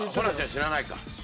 知らないか。